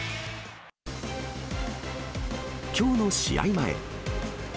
きょうの試合前。